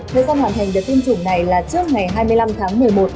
thời gian hoàn thành đợt tiêm chủng này là trước ngày hai mươi năm tháng một mươi một